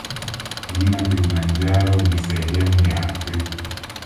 Mlima kilimanjaro mi sehemu ya afrika